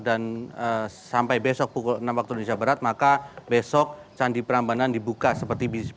dan sampai besok pukul enam waktu indonesia barat maka besok candi perambanan dibuka seperti biasanya